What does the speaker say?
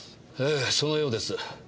ええそのようです。